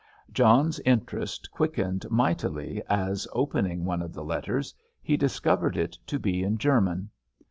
John's interest quickened mightily as, opening one of the letters, he discovered it to be in German.